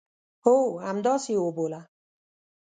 هو، همداسي یې وبوله